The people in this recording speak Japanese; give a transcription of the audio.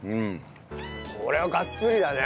これはガッツリだね。